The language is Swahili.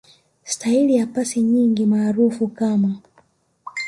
Staili ya pasi nyingi maarufu kama